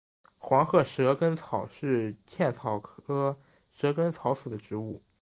黄褐蛇根草是茜草科蛇根草属的植物。